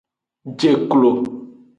Je klo.